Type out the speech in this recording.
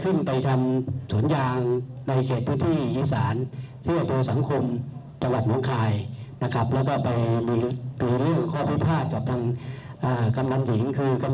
ซึ่งเป็นกำนันที่ดูแลรักษาประโยชน์ให้กับชาวบ้าน